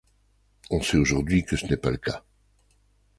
On sait aujourd'hui que ce n'est pas le cas.